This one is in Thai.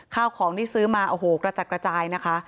ข้าวของที่ซื้อมาโอ้โหกระจัดกระจายนะคะ